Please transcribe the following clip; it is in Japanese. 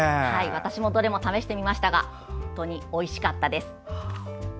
私もどれも試してみましたが本当においしかったです。